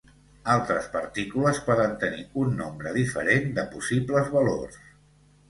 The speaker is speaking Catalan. Altres partícules poden tenir un nombre diferent de possibles valors.